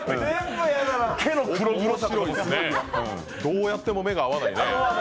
どうやっても目が合わないね。